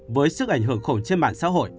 với sức ảnh hưởng khổ trên mạng xã hội